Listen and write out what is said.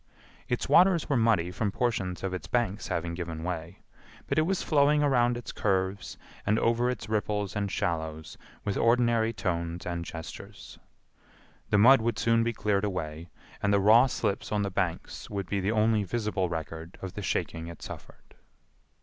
Its waters were muddy from portions of its banks having given way, but it was flowing around its curves and over its ripples and shallows with ordinary tones and gestures. The mud would soon be cleared away and the raw slips on the banks would be the only visible record of the shaking it suffered.